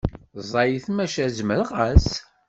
Ẓẓayet maca zemreɣ-as.